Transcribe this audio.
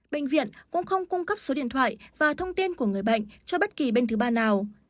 bệnh viện cũng không cung cấp số điện thoại và thông tin của người bệnh cho bất kỳ bên thứ ba nào